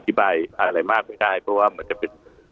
อธิบายอะไรมากไม่ได้เพราะว่ามันจะเป็น